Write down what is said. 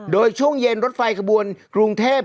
โดยช่วงเย็นรถไฟขบวนกรุงเทพ